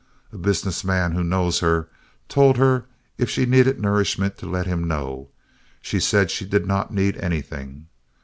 A business man who knows her told her if she needed nourishment to let him know; she said she did not need anything.